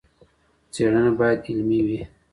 څېړنه بايد علمي وي.